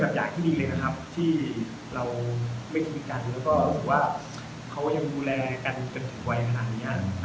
เขายังดูแลกันถึงถึงวัยขนาดนี้